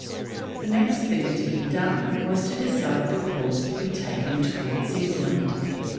The next thing to be done was to decide the course to be taken towards England.